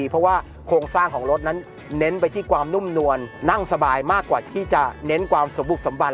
เพราะว่าโครงสร้างของรถนั้นเน้นไปที่ความนุ่มนวลนั่งสบายมากกว่าที่จะเน้นความสมบุกสมบัน